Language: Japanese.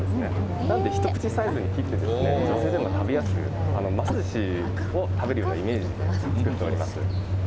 なんで一口サイズに切って、女性でも食べやすく、マスずしを食べるようなイメージで作っております。